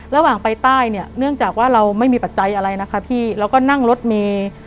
ระหว่างไปใต้เนี่ยเนื่องจากว่าเราไม่มีปัจจัยอะไรนะคะพี่เราก็นั่งรถเมย์